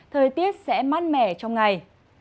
thời tiết sẽ mát mẻ trong ngày